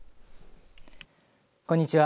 こんにちは